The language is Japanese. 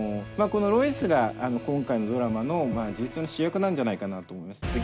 このロイスが今回のドラマの事実上の主役なんじゃないかなとも思います。